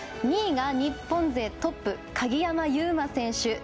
２位が、日本勢トップ鍵山優真選手。